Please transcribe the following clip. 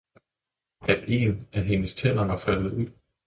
at én af hendes tænder var faldet ud.